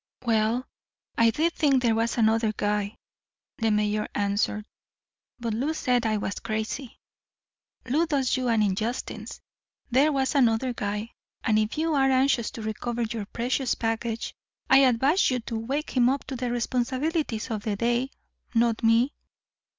"Well I did think there was another guy," the mayor answered, "but Lou said I was crazy." "Lou does you an injustice. There was another guy, and if you are anxious to recover your precious package, I advise you to wake him up to the responsibilities of the day, not me."